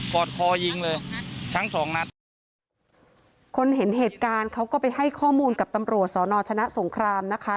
อดคอยิงเลยทั้งสองนัดคนเห็นเหตุการณ์เขาก็ไปให้ข้อมูลกับตำรวจสอนอชนะสงครามนะคะ